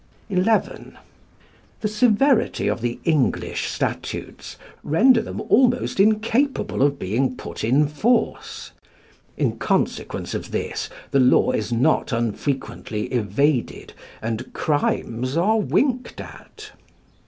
XI. The severity of the English statutes render them almost incapable of being put in force. In consequence of this the law is not unfrequently evaded, and crimes are winked at.